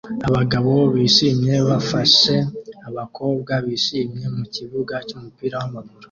Abagabo bishimye bafashe abakobwa bishimye mukibuga cyumupira wamaguru